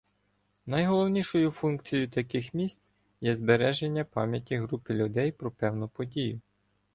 Найголовнішою функцією таких місць є збереження пам'яті групи людей про певну подію.